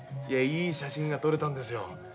いやいい写真が撮れたんですよ。